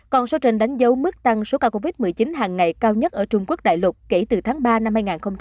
còn số trên đánh dấu mức tăng số ca covid một mươi chín hàng ngày cao nhất ở trung quốc đại lục kể từ tháng ba năm hai nghìn hai mươi